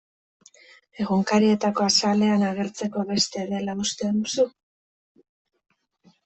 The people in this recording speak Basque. Egunkarietako azalean agertzeko beste dela uste duzu?